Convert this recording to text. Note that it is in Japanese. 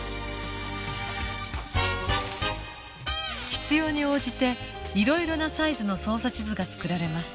必要に応じて色々なサイズの捜査地図が作られます